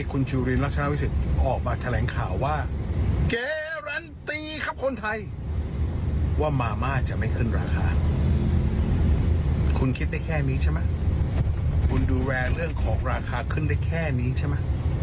คุณคิดได้แค่นี้ใช่ไหมคุณดูแลเรื่องของราคาขึ้นได้แค่นี้ใช่ไหม